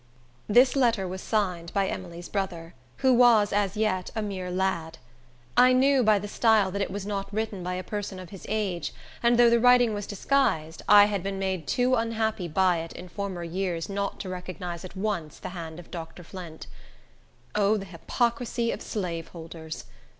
This letter was signed by Emily's brother, who was as yet a mere lad. I knew, by the style, that it was not written by a person of his age, and though the writing was disguised, I had been made too unhappy by it, in former years, not to recognize at once the hand of Dr. Flint. O, the hypocrisy of slaveholders!